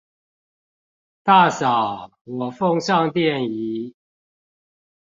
大嫂，我奉上奠儀